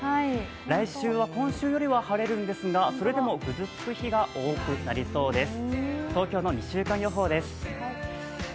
来週は今週よりは晴れるんですが、それでもぐずつく日が多くなりそうです。